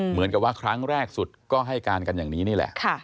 เหมือนกับว่าครั้งแรกสุดก็ให้การกันอย่างนี้นี่แหละ